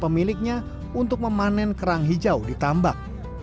pemiliknya untuk memanen kerang hijau di tambak